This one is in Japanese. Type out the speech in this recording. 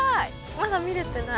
まだ見れてない。